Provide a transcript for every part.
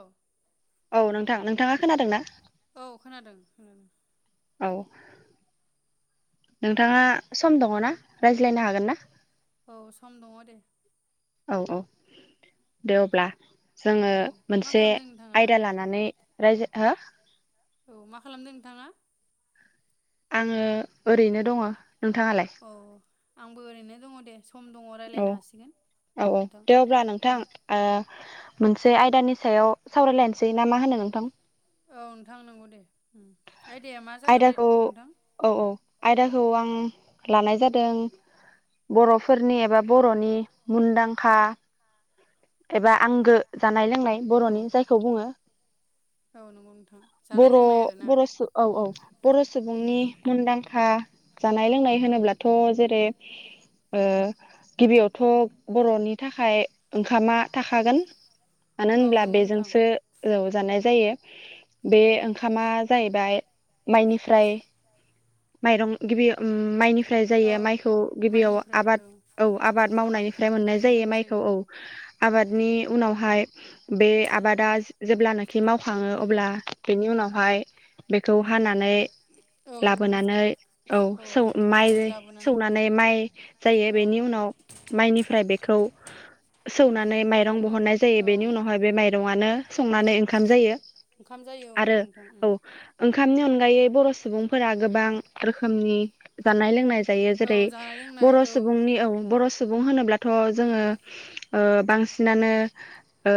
औ। औ नोंथां नोंथाङा खोनादों ना? औ खोनादों खोनादों। औ नोंथाङा सम दङ ना, रायज्लायनो हागोन ना? औ सम दङ दे। औ औ दे अब्ला। जोङो औ मा मोनसे खालामदों नोंथाङा आयदा लानानै रायजो हो? औ मा खालामदों नोंथाङा? आङो ओरैनो दङ। नोंथाङालाय? औ आंबो ओरैनो दङ दे। सम दङ औ रायज्लायनो हासिगोन औ औ दे अब्ला नोंथां उम ओ मोनसे आयदानि सायाव सावरायलायनोसै ना मा होनो नोंथां? औ नोंथां नंगौ दे। ओम आइदाया मा जागोन दाय आयदाखौ नोंथां? औ औ आयदाखौ आं लानाय जादों बर'फोरनि एबा बर'नि मुनदांखा एबा आंगो जान नाय लोंनाय औ बर'नि जायखौ बुङो। औ नंगौ नोंथां जानाय बर' लोंनाय आरोना बर' सु औ औ। बर' औ सुबुंनि मोनदां खा जानाय लोंनाय होनोब्लाथ' जेरै ओ गिबियावथ' बर'नि थाखाय ओंखाम खामा थाखागोन। मानो औ होनब्ला नंगौ नोंथां बेजोंसो [unintelligible] जानाय जायो। बे औ ओंखामा जाहैबाय। माइनिफ्राय माइरं गिबि माइनि फ्राय औ जायो। माइखौ गिबियाव आबाद औ आबाद मावनायनिफ्राय मोननाय जायो माइखौ औ। उम आबादनि उनावहाय बे औ आबादा जेब्लानाखि मावखाङो। अब्ला बेनि उनावहाय बेखौ हाना नै औ नंगौ लाबोनानै नोंथां औ सौ माइ हानानै लाबोनानै सौनानै माइ जायो, औ बेनि उनाव माइनिफ्राय बेखौ सौवनानै माइ रं बहननाय औ जायो। बेनि उनावहाय बे माइरंआनो संनानै ओंखाम जायो। ओंखाम जायो औ नंगौ आरो नोंथां औ उम ओं खामनि अनगायै बर' सुबुंफोरा गोबां रोखोमनि जानाय-लोंनाय यो जेरै औ जानाय लोंनाय बर औ सुबुंनि बर सुबुं होनोब्लाथ जोङो। ओ बांसिनानो ओ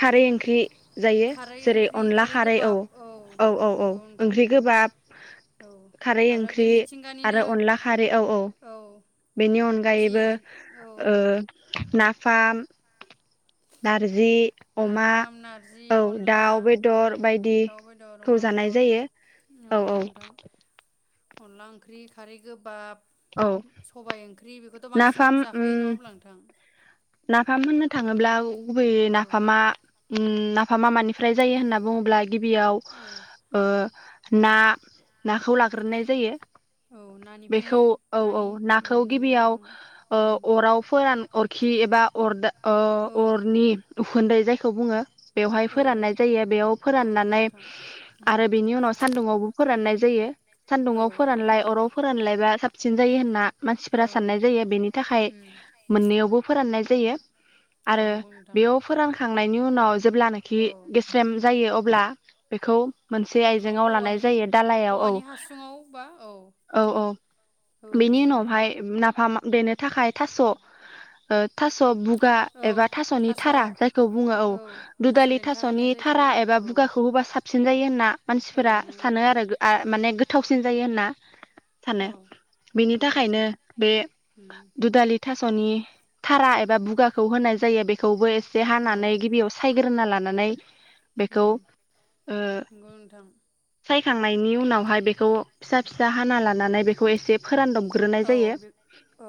खारै ओंख्रि जायो खारै जेरै ओंख्रि अनला खारै औ गोबाब औ औ औ नंगौ नोंथां ओंख्रि उम गोबाब औ खारै आरो बे ओंख्रि मिथिंगानिनो आरो अनला खारै औ औ। बेनि जि अनगायैबो औ ओ। नाफाम नारजि अमा नाफाम नारजि औ अनला दाउ औ बेदर दाउ बेदर बायदिखौ अमा जानाय बेदर जायो औ नंगौ औ। नोंथां अनला ओंख्रि खारै गोबाब औ सबाय ओंख्रि बेखौथ बांसिन नाफाम उम जाखायो नङा होमब्ला नोंथां? नाफाम होननो थाङोब्ला गुबैयै औ नाफामा उम नाफा मा मानिफ्राय जायो होनना बुङोब्ला गिबियाव औ ओ ना नाखौ लाग्रोनाय जायो औ नानिफ्रायनो बेखौ औ औ नानि उम नाखौ नंगौ गिबियाव नोंथां ओ उम अराव फोरान खि एबा अरदा औ अरनि उखुन्दै जायखौ बुङो बेवहाय औ फोराननाय जायो बेयाव औ नंगौ फोराननानै नोंथां उम आरो बेनि उनाव सान्दुावबो फोराननाय जायो, सान्दुङाव फोरानलाय अराव फोरानलायबा साबसिन जायो होनना मानसिफोरा होनना साननाय जायो बेनि थाखाय मोननैयावबो साननाय जायो औ आरो नंगौ नोंथां बेयाव फोरानखाङ नायनि उनाव जेब्लानाखि औ गेस्रेम जायो अ अब्ला बेखौ मोनसे खौ आइजेंआव लानाय औवानि जायो दालायाव औ औवानि हासुङाव बा औ औ औ औ बेनि नंगौ नोंथां उनावहाय नाफाम देनो थाखाय थास ओ थास' बु गा औ एबा थासनि थास' थारा जायखौ बुङो औ थास' दुदालि देन्था होनो थासनि जायखौ थारा एबा औ बुगाखौ होबा साबसिन जायो होन ना औ मानसिफोरा नंगौ सानो नोंथां आरो ओ माने गोथाव फिन जायो होनना सानो, औ बिनि नंगौ थाखायनो नोंथां बे उम दुदालि थास'नि थारा एबा बुगाखौ होनाय जायो बेखौबो ए से औ हानानै गिबियाव सायग्रोना ला नानै ओम, नंगौ नोंथां। सायखांनायनि उनावहाय बेखौ फिसा फिसा हाना लानानै बेखौ एसे फोरानदबग्रोनाय औ जायो। बे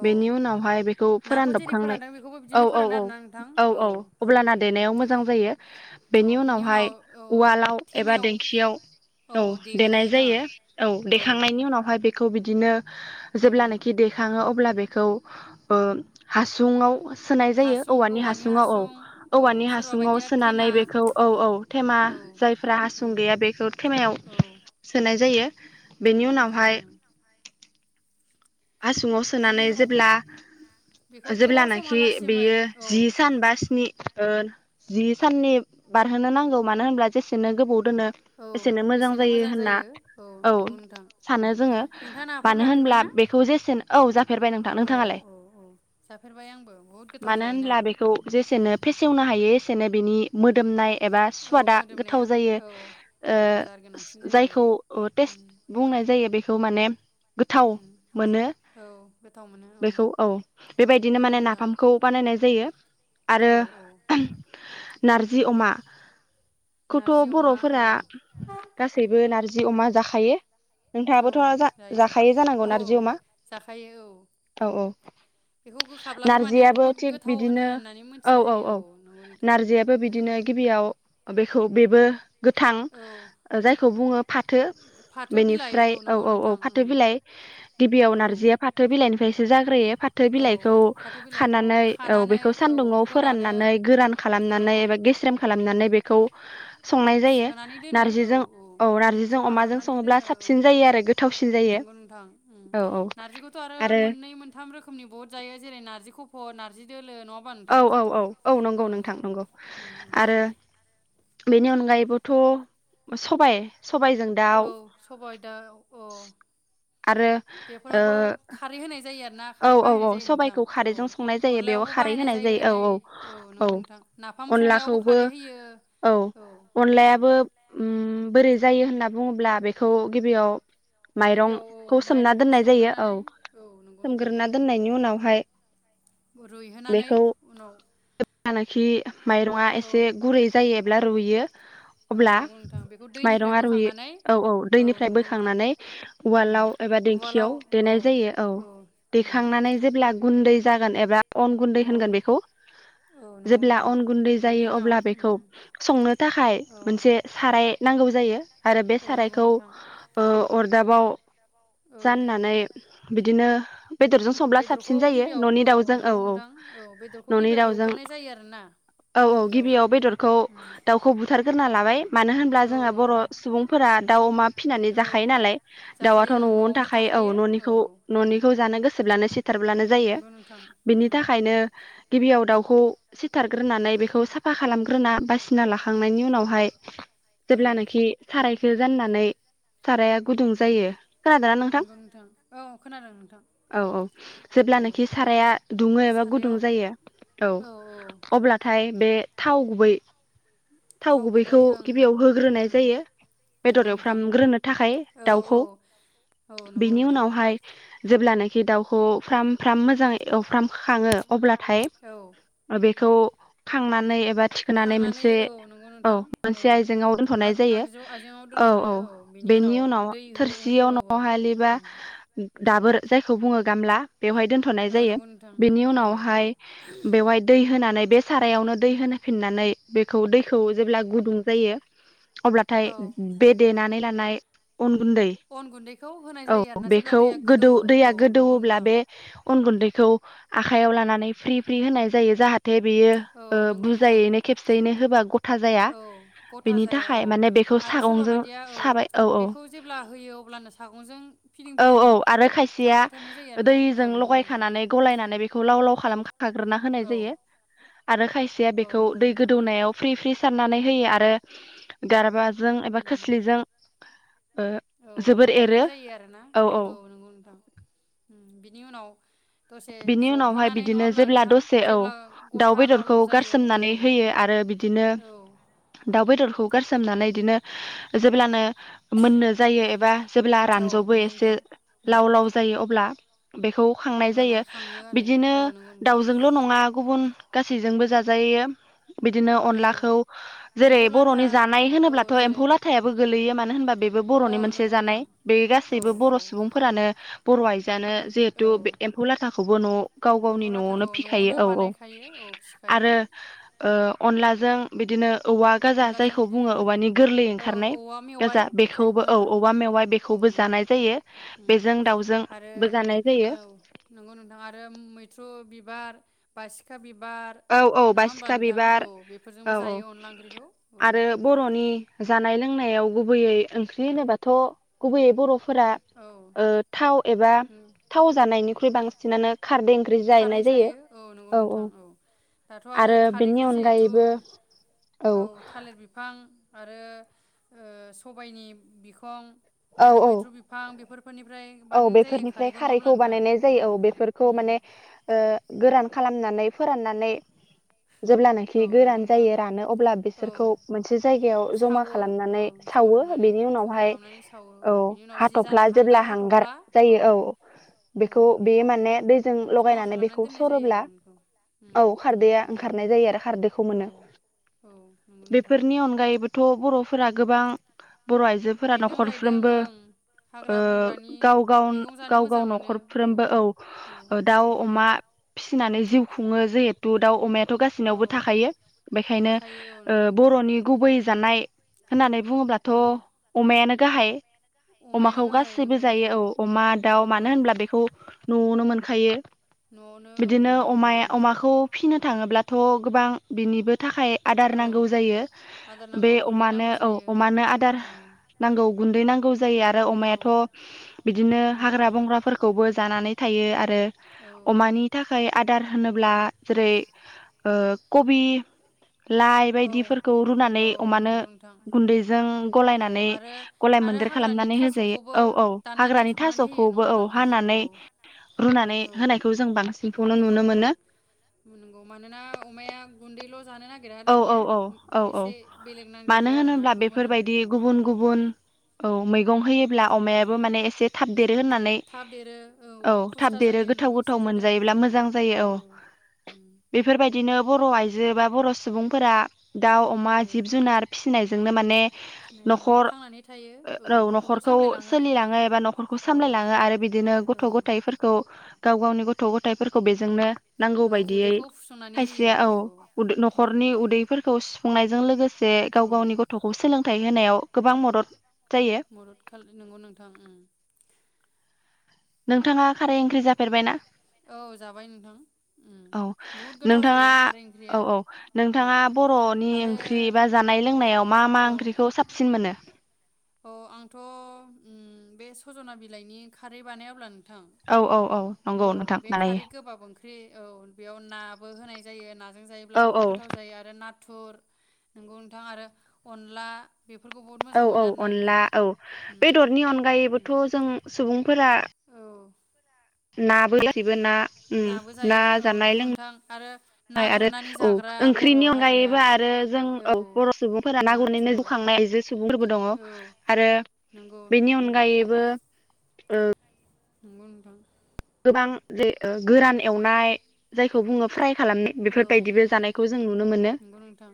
औ बेनि उनावहाय बेखौ नाखौ फोरानदब जेरै फोरानदों बेखौबो औ बिदिनो औ फोरानो औ, आरोना नोंथां औ औ उम अब्लाना उम देनायाव मोजां जायो औ बेनि बिनि उनावहाय उनाव औ उवालाव एबा थेमायाव देंखियाव औ देनाय देग्रोयो ना जायो औ देखांनायनि उनावहा बेखौ बिदिनो उम जेब्लानाखि देखाङो अ अब्ला बेखौ ओ हासुङाव सोनाय जायो हासुं औवानि हासुङाव औ हासुं औ औवानि सोरबा हासुङाव बायदिया थेमा सोनानै बेखौ औ औ थेमा औ जायफ्रा हासुं उम गैया बेखौ थेमायाव सोनाय जायो। बेनि नोंगौ नोंथां उनावहाय ओम हासुङाव सोनानै जेब्ला, बेखौ गोबाव जेब्लानाखि समहालासिमै बेयो औ जि सान बा स्नि ओ जि साननि बारहोनो नांगौ मानो होनब्ला जेसेनो गोबोव औ एसेनो मोजां जायो औ नंगौ नोंथां सानो ओम, नोंथाङा नाफाम जाफेरबाय ना? जेसेन औ जा फेरबाय नोंथां औ नोंथाङालाय? औ औ जाफेरबाय आंबो बहुद गोथाव मानो जायोना होनब्ला बेखौ जेसेनो फेसेवनो हायो एसे जनो बिनि मोदोमनाय एबा औ स्वादा गोथाव मोदोमनाया जायो औ औ ओ जार गोनांसिन जायो जायखौ टेस्ट उम बुंनाय जायो बे थ' माने गोथाव उम मोनो औ गोथाव मोनो बेखौ औ बेबायदिनो नंगौ माने नोंथां नाफामखौ बानायनाय जायो आरो औ औ नारजि अमा खौथ' नारजि अमा औ बर'फोरा गासैबो नारजि जि अमा जाखायो औ नोंथाङाबोथ' जायो जाखायो जानांगौ औ नारजि जिअमा जाखायो औ औ औ बेखौ गोखाब्लाबो माने नारजियाबो बुहुद थिग गोथाव होनो बिदिनो होननानै औ मोनथिनाय औ जायो औ नंगौ नोंथां उम नारजियाबबो बिदिनो गिबियाव बेखौ बेबो गोथां औ जायखौ बुङो फाथो फाथो बिलाइ बेनिफ्राय औ नंगौ औ औ नोंथां फाथो उम बिलाइ गिबियाव औ नारजिया फाथो बिलाइनिफ्राय जाग्रोयो फाथो औ बिलाइखौ फाथो बिलाइखौ खानानै औ खानानै बेखौ औ सानदुंङाव फोरानो फोराननानै गोरान औ खालामनानै एबा गेस्रेम औ खालामनानै बेखौ संनाय जायो सोनानै दोनो औ नार्जिजों औ नार्जिजों जमा अमाजों खालामनानै सङोब्ला दोनो साबसिन जायो आरो गोथावसिन जायो। उ औ औ नारजिखौथ' आरो मोननै मोनथाम रोखोम रोखोमनि बहुत जायो जेरै नारजि खफ' नारजि दोलो नङा होमबा औ नोंथां औ औ औ नंगौ नोंथां नंगौ उम उम आरो बेनि अनगायैबोथ' सबाय सबायजों दाउ औ सबाय दाउ औ आरो बेफोरावबो खारै होनाय जायो आरो ना। औ औ औ सबाइखौ खारैजों संनाय जायो बेयाव अनलायावबो खारै बाहायनाय होनाय जायो नै औ औ औ नंगौ नोंथां नाफाम संनायावबो अनलाखौबो खारै होयो औ उम अनलायाबो उम बोरै जायो होनना बुङोब्ला बेखौ गिबियाव गिबियाव माइरंखौ औ सोमना माइरंखौ दोननाय जायो औ सोमगोरोनानै औ न सोमग्रोना दोननायनि उनावहाय रुइहोनानै बेखौ उनाव जेब्लानाखि माइरंआ औ एसे गुरै जायो एब्ला रुयो औ अब्ला नंगौ नोंथां बेखौ दैनिफ्राय माइरंआ बोखांनानै रुइयो औ औ दैनिफ्राय नंगौ नोंथां बोखांनानै उम उवालाव एबा उवालाव देंखियाव औ देनाय जायो औ। उम देखांनानै जेब्ला गुन्दै जागोन एबा अन गुन्दै औ होनगोन बेखौ औ नंगौ जेब्ला नोंथां अन गुन्दै बेनि जायो उनाव अब्ला बेखौ उम संनो थाखाय औ मोनसे साराय नांगौ जायो आरो बे औ नंगौ सारायखौ नोंथां ओ अर दाबाव औ जाननानै बिदिनो बेदरजों संब्ला बेदरखौ साबसिन जायो गिबियाव न'नि दाउजों औ नंगौ औ नोंथां औ बेदरखौ न'नि गिबियाव दाउजों एवग्रोनाय जायो आरोना औ औ गिबियाव बेदरखौ उम दाउखौ बुथारगोन ना लाबाय मानो होनब्ला औ जोंहा औ बर' सुबुंफोरा दाउ अमा फिनानै औ जाखायो नालाय दाउआथ' जाखायो ओं न'आवनि न'आवनो थाखाय औ थाखायो न'निखौ उम न'नि जानो गोसोब्लानो बुथारब्लानो जायो नंगौ नोंथां बिनि उम थाखायनो गिबियाव दाउखौ सिथारग्रोनानै बेखौ साफा खालामग्रोना बासिना लाखांनायनि उनावहाय औ जेब्लानोखि साराय जो जाननानै साराया गुदुं जायो खोनादोना नोंथां नंगौ औ खोनादों नोंथां औ औ औ जेब्लानोाखि साराया दुङो एबा गुदुं सारायाव जायो औ अब्लाथाय बे थाव गुबै थाव गुबै गुबैखौ ओं गिबियाव होग्रोनाय उम जायो नंगौ बेदर नोंथां एवफ्रामग्रोनो थाखाय औ दाउखौ औ औ नंगौ बिनि नोंथां उनावहाय जेब्लानाखि दाउखौ फ्राम फ्राम मोजाङै एवफ्राम खाङो अब्लाथाय औ बे खौ खांनानै [unintelligible] थिखनानै खांनानै मोनसे औ नंगौ औ नोंथां औ मोनसे आइजेंआव दोनथ'नाय जायो आगजु आइजेंआव औ औ दोनथ'यो बिनि बेनि उनाव दै थोरसियाव होयो न'आव औवा हालिबा दाबोर जायखौ बुङो गामला बेवहाय दोनथ'नाय औ जायो नंगौ नोंथां बेनि औ उनावहाय बेवहाय दै होनानै बे सारायावनो दै होना फिननानै बेखौ दैखौ जेब्ला गुदुं जायो अब्लाथाय औ बे देनानै [unintelligible] अन गुन्दैखौ होनाय औ जायो आरो ना जेब्ला बेखौ दैया गोदौ गोदौवो औ दैया नंगौ गोदौवोब्ला नोंथां बे अन गुन्दैखौ आखाइायाव लानानै फ्रि फ्रि होनाय जायो जाहाथे ने औ बेयो नंगौ नोंथां बुजायैनो खेबसेयैनो होबा ग औ गथा जाया औ बेखौ आरो सोरबा सागंजों बायदिया औ साबाय औ बेखौ जेब्ला होयो अब्लानो सागंजों फिदिं औ फिदिं औ आरो खायसेया खालामबाय थानाय जायो आरोना औ दैजों नंगौ नोंथां लगायखानानै गलायनानै बेखौ लाव लाव औ खालाम खाग्रोना होनाय औ जायो आरो खायसेया औ बेखौ नंगौ दै नोंथां गोदौनायाव फ्रि फ्रि सारनानै होयो आरो गारबा जों एबा उम खोस्लिजों ओ औ जोबोर एरनाय एरो जायो आरोना औ औ [inaudible] बिनि उनावहाय जबहोनानै बिदिनो नङाब्ला जेब्ला नोंथां दसे औ जेब्ला दाउ गथा लाव बेदरखौ लाव जायो औ गारसोमनानै होयो आरो बिदिनो औ दाउ बेदर खौ गारसोमनानै इदिनो जेब्लानो मोननो जायो एबा जेब्ला औ रानजबो नंगौ एसे नोंथां उम लाव लाव जायो अब्ला बेखौ खांनाय अब्लाना जायो खाङो आरो बिदिनो औ नंगौ नोंथां दाउजोंल' नङा गुबुन गासैजोंबो जाजायो बिदिनो औ अनलाखौ जेरै एम्फौ लाथा बर'नि जानाय औ होनोब्लाथ' जेरै एम्फौ लाथायाबो गोलैयो माने [inaudible] बेबो औ बर'नि मोनसे नंगौ नोंथां जानाय बे औ गैसैबो औ बर' सुबुंफोरानो बर' आयजोआनो जिहेतु औ बि एम्फौ ला थाखौबो न' गाव गावनि एम्फौ न'आवनो लाथाखौ फिखायो औ औ बानायखायो औ फिसिखायो आरो ओ अनलाजों बिदिनो औवा गाजा अनलाजों जायखौ बिदिनो बुङो औवानि गोरलै औ ओंखारनाय औवा मेवाइ गाजा जायखौ बेखौबो औ होनो औवा मेवाइ औ बेखौबो नंगौ जानाय जायो उम बेजों आरो दाउजोंबो जानाय औ जायो नंगौ नोंथां आरो मैथ्रु बिबार बासिखा बिबार बार औ औ नङा होमबा बासिखा नोंथां औ बिबार औ बेफोरजोंबो औ जायो अनला ओंख्रि आरो बर'नि जानाय लोंनायाव गुबैयै ओंख्रि होनोबाथ' गुबैयै बर' फोरा औ थाव एबा थाव जानायनिख्रुइ बांसिन सिनानो खारदै ओंख्रि जानाय जायो औ औ दाथ' आरो बेनि खारैखौ जिहेथु अनगायैबो औ थालिर बिफां आरो सबायनि बिखं औ आरो औ मैथ्रु बिफां बेफोर औ बेफोरनिफ्राय खारैखौ बानायनाय जायो औ बेफोरखौ उम माने ओ गोरान खालामनानै फोराननानै औ जेब्लानाखि नंगौ गोरान नोंथां जायो रानो अब्ला औ बिसोरखौ मोनसे जायगायाव जमा सावो औ खालामनानै जमा सावो खालामनानै बेनि थुबुर उनावहाय खालामनानै सावो औ बिनि उनाव जि हाथ'फ्ला जानाय जेब्ला हांगार हाथ'फ्ला जायो औ बेखौ बे माने दैजों जमा लगायनानै खालामनानै बेखौ दोननाय जायो आरो सरोब्ला नोंखौ उम औ नंगौ खारदैया नोंथां ओंखारनाय जायो आरो खारदैखौ औ मोनो औ नंगौ नोंथां बेफोरनि अनगायैबोथ' बर' फोरा गोबां बर' आइजोफोरा बेन्दों रायदों न'खरफ्रोमबो ओं हाग्रा बंग्रानि गाव गाव मैगं जानो गाव गाव मोजां मोनो औ न'खरफ्रोमबो औ दाउ नंगौ नोंथां अमा फिसिनानै जिउ खुङो जिहेतु दाउ अमा थ' औ गासिनावबो थाखायो बेखायनो थाखायो औ नंगौ नोंथां बर'नि गुबै जानाय होननानै बुङोब्लाथ' अमायानो गाहाय अमायनो अमाखौ गाहाय गासैबो नंगौ नोंथां जायो औ अमा दाउ औ मानो होनब्ला बेखौ न'आवनो मोनखायो न'आवनो औ बिदिनो मोनो नंगौ अमाया नोंथां अमाखौ फिनो थाङोब्ला थ' गोबां बिनिबो थाखाय आदार औ नांगौ जायो आदार बे नांगौ गुन्दै अमानो नांगौ औ जायो अमानो आदार उम नांगौ गुन्दै नां जायो आरो औ अमायाथ' बिदिनो नंगौ हाग्रा नोंथां बंग्राफोरखौबो जानानै थायो आ औ [unintelligible] अमानि थाखाय आ दार होनोब्ला जेरै ओ कबि लाइ औ बायदिफोरखौ रुनानै औ अमानो नंगौ नोंथां गुन्दैजों औ गलायनानै आरो गलाय आरो मोनदेर हाग्रानि खालामनानै होजायो थास'खौबो औ औ दाननानै हाग्रानि संनानै होयो थास'खौबो औ नङाब्ला नोंथां औ हानानै रुनानै औ होनायखौ जों बांस नंगौ नोंथां नंगौ मानोना अमाया गुन्दैल' जानो नागिरा औ औ दानिया औ औ औ बेसे बेलेग मानो नांदेरगौ आरो ना होनोब्ला गुबुन बेफोरबायदि नांदेरगौ गुबुन गुबुन औ मैगं होयो ब्ला अमायाबो माने एसे थाब देरो होननानै थाब देरो औ थाब फुस्था देरो जायो होनना गोथाव मिथिनाय गोथाव जादों आरो मोनजायोब्ला आं बेखौ मोजां जायो औ उम बेफोरबायदिनो बर' आइजो बा बर'स सुबुंफोरा दाउ अमा औ जिब जुनार फिसिनाय जोंनो माने फिनायजोंनो न'खर थांनानै थायो औ न'खरखौ सामलायलाङो सोलिलाङो एबा न'खरखौ औ सामलायलाङो आरो बिदिनो औ गथ' गथायाइफोरखौ गाव गावनि गथ' गथायाइफोरखौ बेजोंनो नांगौ औ बायदियै उदैखौ फुसंनानै होयो खायसेया औ। उम हरनि उदैफोरखौस खुंनायजों लोगोस जे औ गाव गावनि गथ'खौ सोलोंथाइ होनायाव गोबां मदद जायो मदद खाल नंगौ नोंथां। नोंथाङा खारै ओंख्रि जाफेरबायना। औ जाबाय नोंथां उम औ बहुद गोथाव नोंथाङा जायो खारै औ ओंख्रिया औ औ नोंथाङा बर'नि आरो ओंख्रि बा जानाय लोंनायाव मा मा ओंख्रिखौ साबसिन मोनो? अ आंथ' उम बे सज'ना बिलाइनि खारै बानायाब्ला नो औ औ औ। औ नंगौ नोंथां बे बानायो। खारै गोबाब ओंख्रि औ बेयाव नाबो होनाय जायो नाजों जायोब्ला औ बुहुट औ गोथाव जायो आरो ना नाथुर नोंगौ नोंथां आरो अनला। बेफोरखौ बहुत औ मोजां औ मोनो आरोना अनला नोंथां औ उम बेदरनि अनगायैबोथ' जों सुबुंफोरा। औ नाबो [inaudible] ना ओम, नाबो ना जायो औ जानाय नंगौ नोंथां आरो ना लोंनाय आरो गुरनानै औ जाग्रा बर' ओंख्रिनि हारिया अनगायैबो आरो जों औ बर' सुबुंफोरा ना गुरनैनो नाथुर जौखांनाय आइजो सुबुंफोरबो दङ औ आरो नंगौ बेनि औ अनगायैबो औ। नंगौ नोंथां। गोबां गोरान एवनाय जायखौ बुङो फ्राय। खालामनाय औ बेफोरबायदिबो जानायखौ जों नुनो मोनो। नंगौ नोंथां